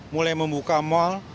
mulai membuka mal